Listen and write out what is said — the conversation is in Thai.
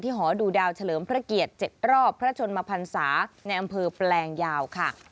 หอดูดาวเฉลิมพระเกียรติ๗รอบพระชนมพันศาในอำเภอแปลงยาวค่ะ